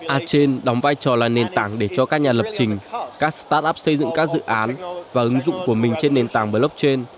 atchen đóng vai trò là nền tảng để cho các nhà lập trình các start up xây dựng các dự án và ứng dụng của mình trên nền tảng blockchain